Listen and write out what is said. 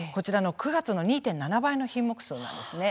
９月の２．７倍の品目数です。